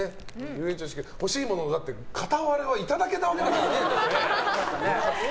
欲しいものの片割れはいただけたわけだからね。